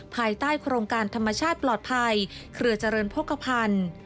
ภายใต้โครงการธรรมชาติปลอดภัยเครือเจริญโภคภัณฑ์